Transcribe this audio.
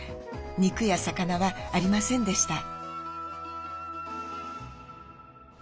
肉や魚はありませんでした。